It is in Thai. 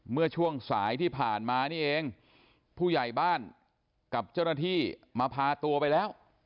เมื่อช่วงสายที่ผ่านมานี่เองผู้ใหญ่บ้านกับเจ้าหน้าที่มาพาตัวไปแล้ว